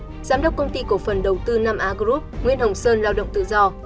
giám đốc công ty cổ phần đầu tư nam á group nguyễn hồng sơn lao động tự do